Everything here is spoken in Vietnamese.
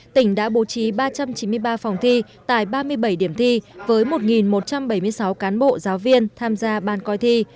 tỉnh đã bố trí ba trăm chín mươi ba phòng thi tại ba mươi bảy điểm thi với một một trăm bảy mươi sáu cán bộ giáo viên tham gia ban coi thi